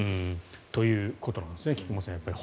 ということなんですね菊間さん、やっぱり。